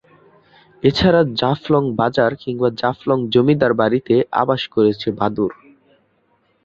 এছাড়া জাফলং বাজার কিংবা জাফলং জমিদার বাড়িতে আবাস করেছে বাদুড়।